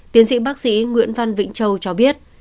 tiến sĩ bác sĩ nguyễn văn vĩnh châu cho biết